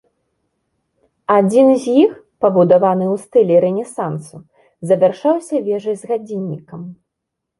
Адзін з іх пабудаваны ў стылі рэнесансу, завяршаўся вежай з гадзіннікам.